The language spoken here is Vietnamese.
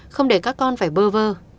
không để các con phải bơ vơ